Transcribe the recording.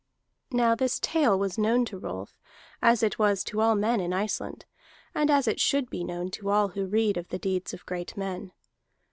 Now all this tale was known to Rolf, as it was to all men in Iceland, and as it should be known to all who read of the deeds of great men.